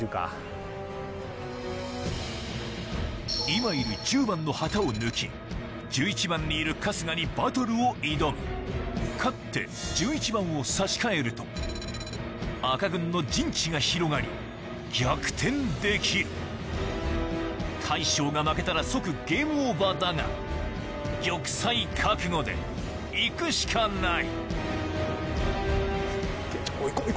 今いる１０番の旗を抜き１１番にいる春日にバトルを挑む勝って１１番を差し替えると赤軍の陣地が広がり逆転できる大将が負けたら即ゲームオーバーだが玉砕覚悟で行くしかない！